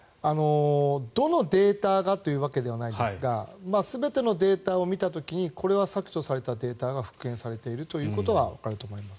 どのデータがというわけではないんですが全てのデータを見た時にこれは削除されたデータが復元されているということはわかると思います。